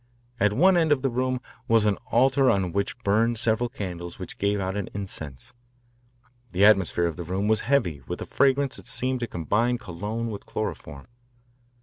At one end of the room was an altar on which burned several candles which gave out an incense. The atmosphere of the room was heavy with a fragrance that seemed to combine cologne with chloroform.